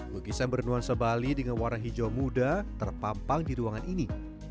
lukisan bernuansa bali dengan warna hijau muda terpampang di ruangan ini